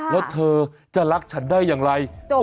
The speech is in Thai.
แล้วเธอจะรักฉันได้อย่างไร